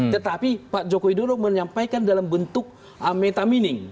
tetapi pak jokowi dodo menyampaikan dalam bentuk metamining